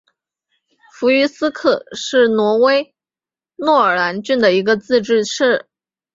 弗于斯克是挪威诺尔兰郡的一个自治市。